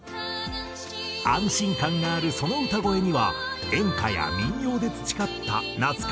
安心感があるその歌声には演歌や民謡で培った夏川